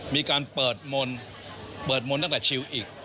มีการเปิดมนต์เปิดมนต์ตั้งแต่ชิวอีก